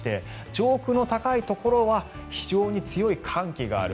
上空の高いところは非常に強い寒気がある。